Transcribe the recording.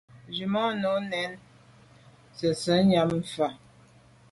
Nzwimàntô nèn ntse’te nyàm fa.